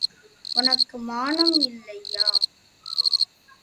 உனக்கு மானம் இல்லையா?